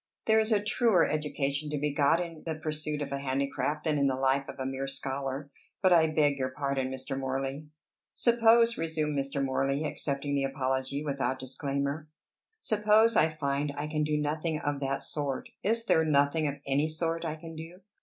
There is a truer education to be got in the pursuit of a handicraft than in the life of a mere scholar. But I beg your pardon, Mr. Morley." "Suppose," resumed Mr. Morley, accepting the apology without disclaimer, "Suppose I find I can do nothing of that sort; is there nothing of any sort I can do?"